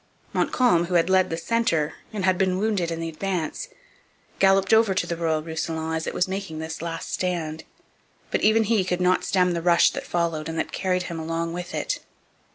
Montcalm, who had led the centre and had been wounded in the advance, galloped over to the Royal Roussillon as it was making this last stand. But even he could not stem the rush that followed and that carried him along with it.